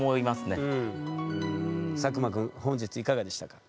作間くん本日いかがでしたか？